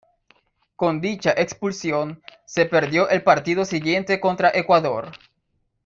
Con dicha expulsión, se perdió el partido siguiente contra Ecuador.